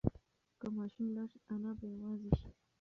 که ماشوم لاړ شي انا به یوازې شي.